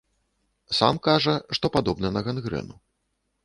Сам кажа, што падобна на гангрэну.